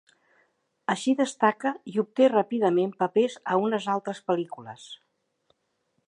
Així destaca i obté ràpidament papers a unes altres pel·lícules.